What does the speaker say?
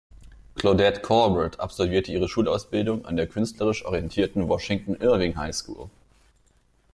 Claudette Colbert absolvierte ihre Schulausbildung an der künstlerisch orientierten Washington Irving High School.